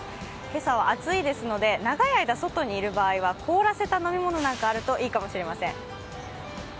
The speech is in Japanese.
今朝は暑いですので長い間外にいる場合は凍らせた飲み物なんかがあるといいかもしれません。